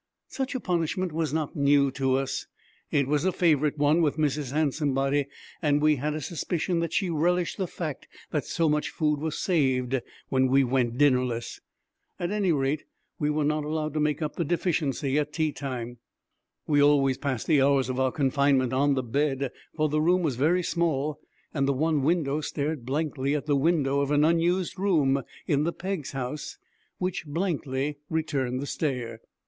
Such a punishment was not new to us. It was a favorite one with Mrs. Handsomebody, and we had a suspicion that she relished the fact that so much food was saved when we went dinnerless. At any rate, we were not allowed to make up the deficiency at tea time. We always passed the hours of our confinement on the bed, for the room was very small and the one window stared blankly at the window of an unused room in the Peggs' house, which blankly returned the stare.